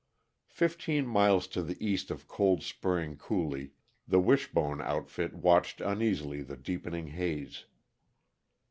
Fifteen miles to the east of Cold Spring Coulee, the Wishbone outfit watched uneasily the deepening haze.